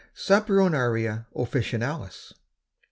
(_Saponaria officinalis.